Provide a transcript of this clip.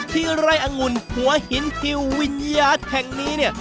ที่ไร่องุลหัวฮินฮิววิญญาติแข่งนี้